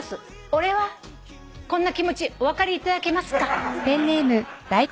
「こんな気持ちお分かりいただけますか？」